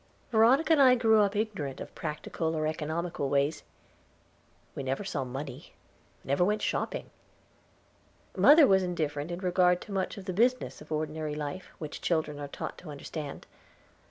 Veronica and I grew up ignorant of practical or economical ways. We never saw money, never went shopping. Mother was indifferent in regard to much of the business of ordinary life which children are taught to understand.